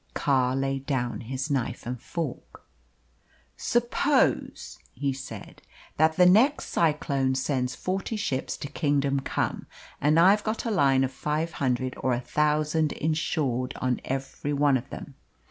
Carr laid down his knife and fork. "Suppose," he said, "that the next cyclone sends forty ships to kingdom come, and I've got a line of five hundred or a thousand insured on every one of them.